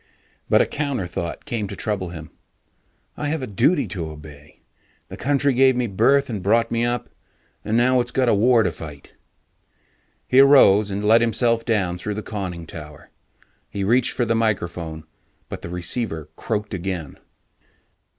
But a counter thought came to trouble him: I have a duty to obey; The country gave me birth and brought me up, and now it's got a war to fight. He arose and let himself down through the conning tower. He reached for the microphone, but the receiver croaked again.